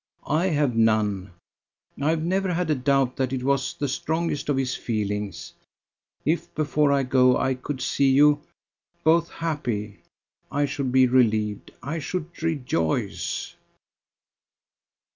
I have none. I have never had a doubt that it was the strongest of his feelings. If before I go I could see you ... both happy, I should be relieved, I should rejoice."